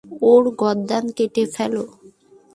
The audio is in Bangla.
ওর গর্দান কেটে ফেলো!